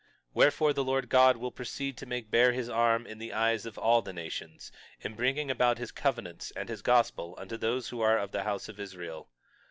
22:11 Wherefore, the Lord God will proceed to make bare his arm in the eyes of all the nations, in bringing about his covenants and his gospel unto those who are of the house of Israel.